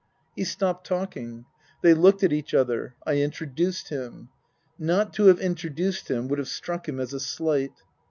He stopped talking. They looked at each other. I introduced him. Not to have introduced him would have struck him as a slight.